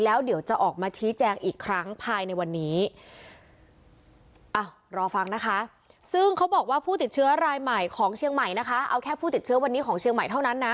แล้วจะออกไปชี้แจงอีกครั้งภายในวันนี้